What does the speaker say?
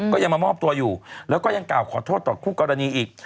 ก็ยังมามอบตัวอยู่แล้วก็ยังกล่าวขอโทษต่อคู่กรณีอีก